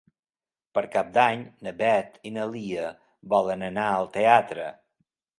Per Cap d'Any na Beth i na Lia volen anar al teatre.